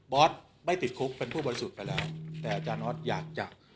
อสไม่ติดคุกเป็นผู้บริสุทธิ์ไปแล้วแต่อาจารย์ออสอยากจะ